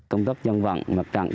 công tác dân vận mặt trạng